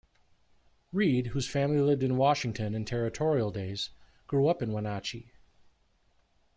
Reed, whose family lived in Washington in territorial days, grew up in Wenatchee.